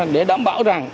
để đảm bảo rằng